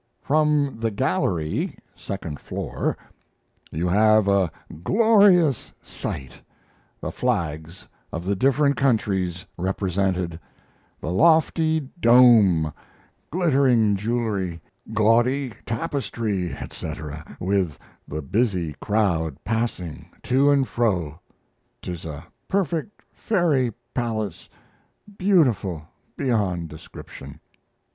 From the gallery (second floor) you have a glorious sight the flags of the different countries represented, the lofty dome, glittering jewelry, gaudy tapestry, etc., with the busy crowd passing to and fro 'tis a perfect fairy palace beautiful beyond description.